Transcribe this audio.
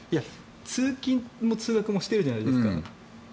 通勤も通学もしてるじゃないですか。